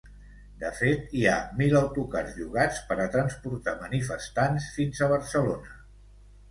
De fet, hi ha mil autocars llogats per a transportar manifestants fins a Barcelona.